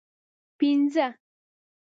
پنځه